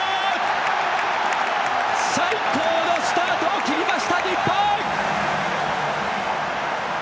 最高のスタートを切りました日本。